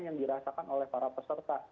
yang dirasakan oleh para peserta